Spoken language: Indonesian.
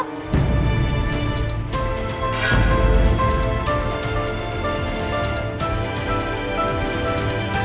kau dangeneral n skam l taib